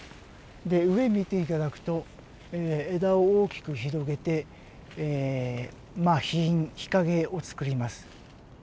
で上見て頂くと枝を大きく広げてまあ日陰を作ります。